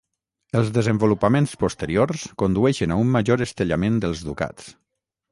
Els desenvolupaments posteriors condueixen a un major estellament dels ducats.